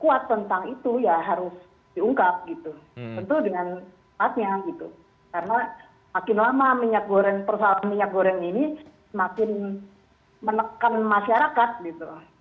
karena makin lama persoalan minyak goreng ini makin menekan masyarakat gitu